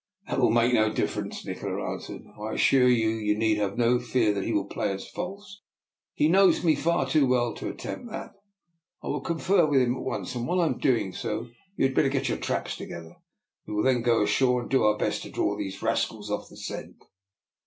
" That will make no difference," Nikola answered. " I assure you you need have no fear that he will play us false: he knows me far too well to attempt that. I will confer with him at once, and while I am doing so you had better get your traps together. We will then go ashore and do our best to draw these rascals off the scent."